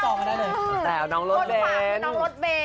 สวัสดีครับสวัสดีครับน้องลดเบน